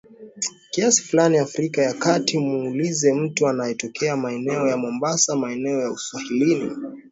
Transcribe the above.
kiasi fulani Afrika ya kati Muulize mtu anayetokea maeneo ya Mombasa maeneo ya uswahilini